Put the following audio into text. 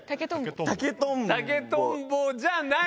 竹とんぼじゃない。